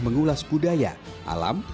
mencari kualitas budaya alam